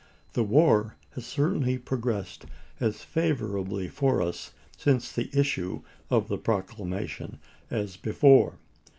The war has certainly progressed as favorably for us since the issue of the proc lamation as before.